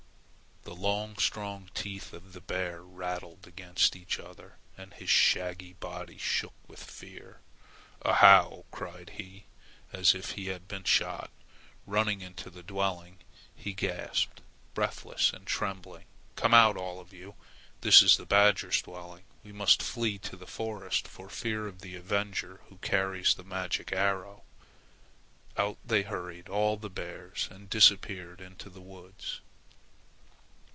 The long strong teeth of the bear rattled against each other, and his shaggy body shook with fear. "Ahow!" cried he, as if he had been shot. Running into the dwelling he gasped, breathless and trembling, "Come out, all of you! This is the badger's dwelling. We must flee to the forest for fear of the avenger who carries the magic arrow." Out they hurried, all the bears, and disappeared into the woods.